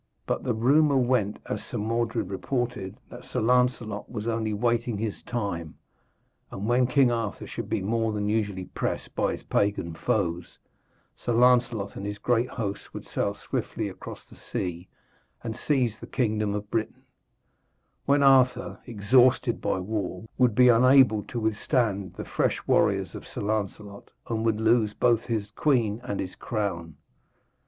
But the rumour went, as Sir Mordred reported, that Sir Lancelot was only waiting his time, and when King Arthur should be more than usually pressed by his pagan foes, Sir Lancelot and his great host would sail swiftly across the sea and seize the kingdom of Britain, when Arthur, exhausted by war, would be unable to withstand the fresh warriors of Sir Lancelot, and would lose both his queen and his crown.